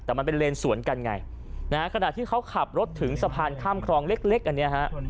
แต่มันเป็นเลนส์สวนกันไงนะฮะกระดาษที่เขาขับรถถึงสะพานข้ามครองเล็กอันเนี่ยฮะ